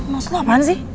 mau selaman sih